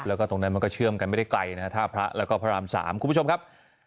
แล้วก็ตรงนั้นมันก็เชื่อมกันไม่ได้ไกลนะฮะท่าพระแล้วก็พระราม๓คุณผู้ชมครับ